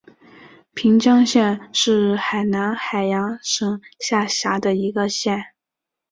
平江县是越南海阳省下辖的一个县。